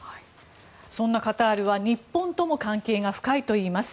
そんなカタールは日本とも関係が深いといいます。